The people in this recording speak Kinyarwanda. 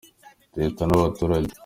Leta n’abaturage.